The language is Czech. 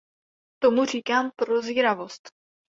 Tomu říkám prozíravost!